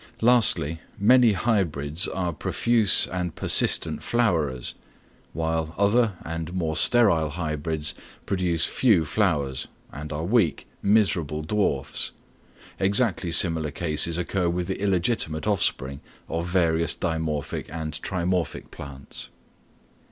Lastly, many hybrids are profuse and persistent flowerers, while other and more sterile hybrids produce few flowers, and are weak, miserable dwarfs; exactly similar cases occur with the illegitimate offspring of various dimorphic and trimorphic plants.